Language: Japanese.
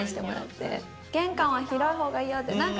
玄関は広いほうがいいよって。